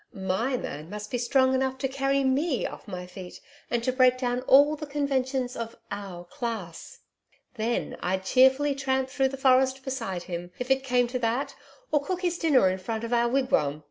MY man must be strong enough to carry ME off my feet and to break down all the conventions of "OUR CLASS." Then, I'd cheerfully tramp through the forest beside him, if it came to that, or cook his dinner in front of our wigwam.